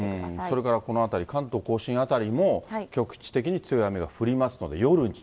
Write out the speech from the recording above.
それからこの辺り、関東甲信辺りも局地的に強い雨が降りますので、夜に。